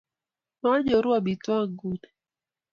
manyoru amitwogikab nguni